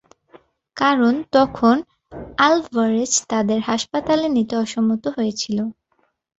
কারণ তখন আলভারেজ তাদের হাসপাতালে নিতে অসম্মত হয়েছিল।